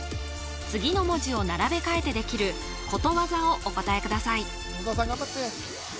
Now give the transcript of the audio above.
次の文字を並べ替えてできることわざをお答えください